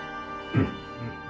うん。